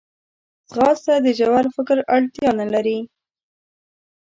ځغاسته د ژور فکر اړتیا نه لري